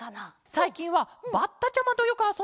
さいきんはバッタちゃまとよくあそんでるケロ。